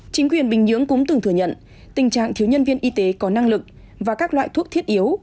chính quyền bình nhưỡng cũng từng thừa nhận tình trạng thiếu nhân viên y tế có năng lực và các loại thuốc thiết yếu